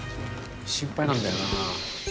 心配なんだよな。